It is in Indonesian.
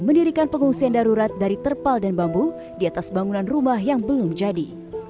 mendirikan pengungsian darurat dari terpal dan bambu di atas bangunan rumah yang belum jadi